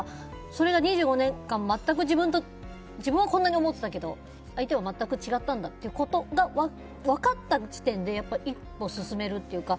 それが２５年間自分はこんなに思ってたけど相手は全く違ったんだということが分かった時点で一歩進めるというか。